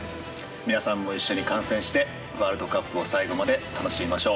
皆さんも一緒に観戦してワールドカップを最後まで楽しみましょう。